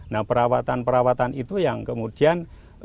nah perawatan perawatan itu yang kemudian